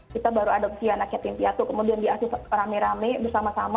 kita baru adopsi anak siatin piatu kemudian di asus rame rame bersama sama